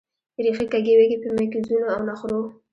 ریښې کږې وږې په مکیزونو او نخرو